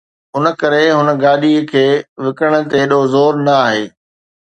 ان ڪري هن گاڏيءَ کي وڪڻڻ تي ايترو زور نه آهي